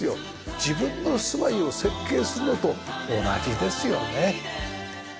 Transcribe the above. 自分の住まいを設計するのと同じですよね。